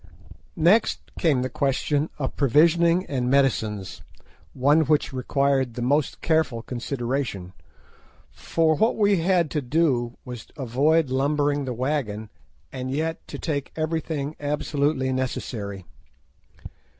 Next came the question of provisioning and medicines, one which required the most careful consideration, for what we had to do was to avoid lumbering the wagon, and yet to take everything absolutely necessary.